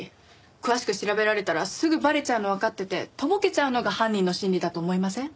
詳しく調べられたらすぐバレちゃうのわかっててとぼけちゃうのが犯人の心理だと思いません？